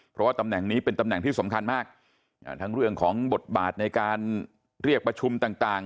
เพราะว่าตำแหน่งนี้เป็นตำแหน่งที่สำคัญมากทั้งเรื่องของบทบาทในการเรียกประชุมต่างต่าง